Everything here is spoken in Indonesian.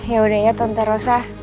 yaudah ya tante rosa